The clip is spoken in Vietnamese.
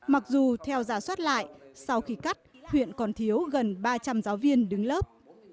mặc dù theo giả soát lại sau khi cắt huyện còn thiếu gần ba trăm linh giáo viên đứng lớp